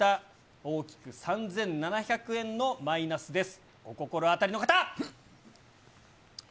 大きく３７００円のマイナスです。